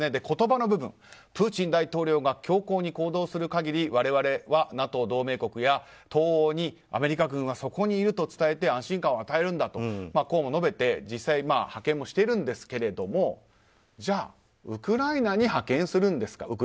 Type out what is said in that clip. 言葉の部分、プーチン大統領が強硬に行動する限り我々はＮＡＴＯ同盟国や東欧にアメリカ軍はそこにいると伝えて、安心感を与えるんだと述べて実際、派遣もしているんですがじゃあ、ウクライナに派遣するんですか。